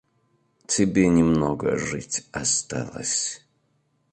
Тебе не много жить осталось.